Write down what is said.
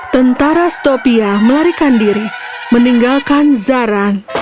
tentara stopia melarikan diri meninggalkan zaran